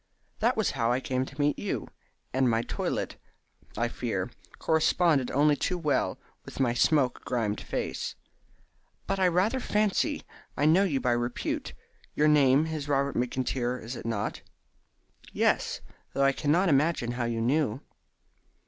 That was how I came to meet you, and my toilet, I fear, corresponded only too well with my smoke grimed face. But I rather fancy I know you by repute. Your name is Robert McIntyre, is it not?" "Yes, though I cannot imagine how you knew."